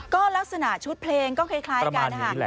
ก็ลักษณะชุดเพลงก็คล้ายกันนะคะ